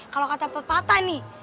kalau kata pepatah nih